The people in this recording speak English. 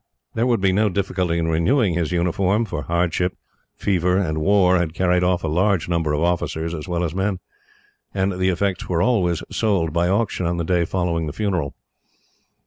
There would be no difficulty in renewing his uniform, for hardship, fever, and war had carried off a large number of officers, as well as men; and the effects were always sold by auction, on the day following the funeral.